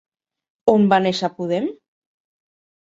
On va néixer Podem?